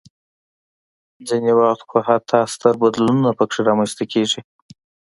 ځینې وخت خو حتی ستر بدلونونه پکې رامنځته کېږي.